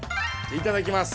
◆いただきます！